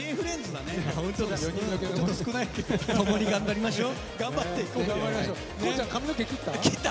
共に頑張りましょう。